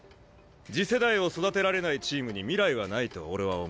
次世代を育てられないチームに未来はないと俺は思っている。